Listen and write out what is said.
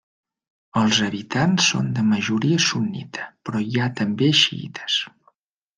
Els habitants són de majoria sunnita però hi ha també xiïtes.